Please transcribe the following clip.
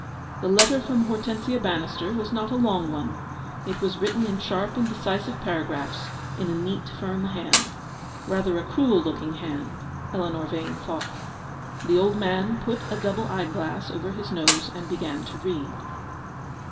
The letter from Hortensia Bannister was not a long one. It was written in sharp and decisive paragraphs, and in a neat, firm hand. Rather a cruel looking hand, Eleanor Yane thought. The old man put a double gold eyeglass over his nose, and began to read.